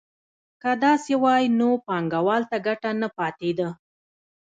که داسې وای نو بانکوال ته ګټه نه پاتېده